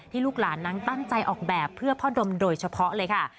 ลูกหลานนั้นตั้งใจออกแบบเพื่อพ่อดมโดยเฉพาะเลยค่ะ